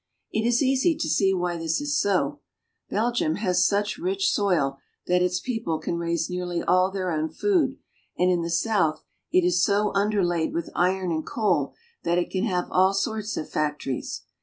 It is easy to see why this is so : Belgium has such rich THE BUSIEST WORKSHOP OF EUROPE. 27 In Antwerp. soil that its people can raise nearly all their own food, and in the south it is so underlaid with iron and coal that it can have all sorts of factories.